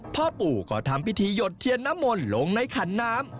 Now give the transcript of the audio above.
พ่อปู่ก็ทำพิธีหยดเทียนน้ำมนต์ลงในขันน้ำ